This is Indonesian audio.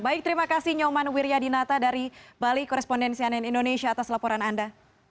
baik terima kasih nyoman wiryadinata dari bali korespondensi ann indonesia atas laporan anda